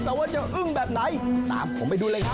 แต่ว่าจะอึ้งแบบไหนตามผมไปดูเลยครับ